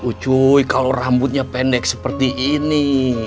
ucuy kalau rambutnya pendek seperti ini